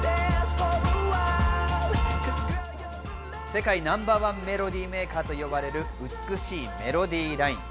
世界ナンバーワンメロディーメーカーとよばれる美しいメロディーライン。